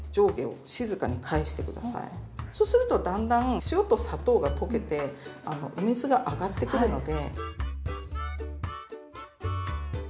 そうするとだんだん塩と砂糖が溶けてお水が上がってくるので。